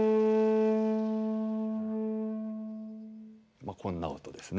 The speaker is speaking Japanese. まあこんな音ですね。